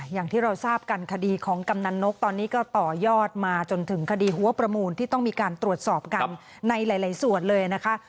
อย่างที่เราทราบกันคดีของกำนันนกตอนนี้ก็ต่อยอดมาจนถึงคดีหัวประมูลที่ต้องมีการตรวจสอบกันในหลายส่วนเลยนะคะ